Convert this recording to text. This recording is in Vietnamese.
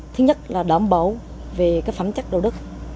thứ nhất là đảm bảo về phẩm chất đạo đức